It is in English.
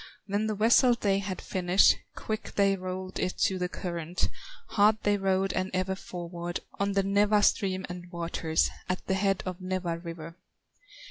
When the vessel they had finished, Quick they rolled it to the current, Hard they rowed and ever forward, On the Nawa stream and waters, At the head of Nawa river.